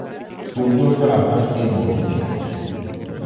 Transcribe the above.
সূর্য ওঠার আভাস দিয়ে মোরগ ডেকে ওঠে।